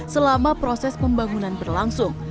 selama proses pembangunan berlangsung